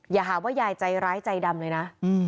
อย่าหาว่ายายใจร้ายใจดำเลยนะ